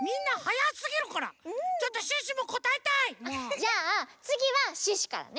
じゃあつぎはシュッシュからね。